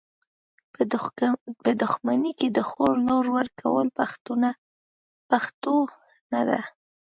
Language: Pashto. په دښمني کي د خور لور ورکول پښتو نده .